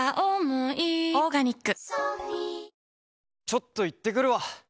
ちょっと行ってくるわ。